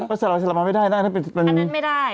ก็สลับไปสลับมาไม่ได้นะถ้าเป็นอันนั้นไม่ได้